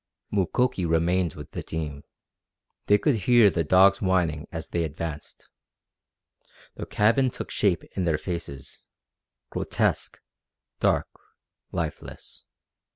Mukoki remained with the team. They could hear the dogs whining as they advanced. The cabin took shape in their faces grotesque, dark, lifeless.